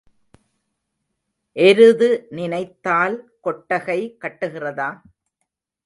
எருது நினைத்தால் கொட்டகை கட்டுகிறதா?